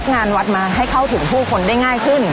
งานวัดมาให้เข้าถึงผู้คนได้ง่ายขึ้น